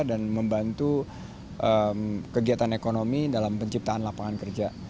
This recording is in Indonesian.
dan membantu kegiatan ekonomi dalam penciptaan lapangan kerja